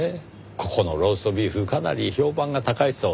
ここのローストビーフかなり評判が高いそうで。